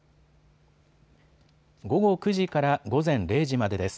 午後９時から午前０時までです。